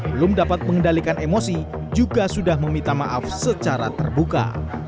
belum dapat mengendalikan emosi juga sudah meminta maaf secara terbuka